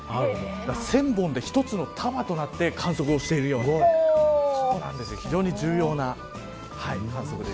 １０００本で１つの束となって観測をしているような非常に重要な観測です。